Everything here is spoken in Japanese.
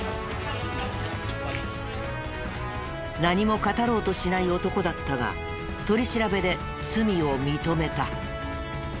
何も語ろうとしない男だったが取り調べで罪を認めた。